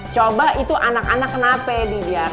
coba itu anak anak kenapa ya di biar